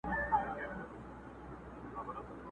دومره پوه نه سوم ښځه که نر یې؛